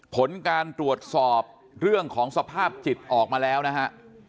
ผลการตรวจสอบเรื่องของสภาพจิตออกมาแล้วนะฮะ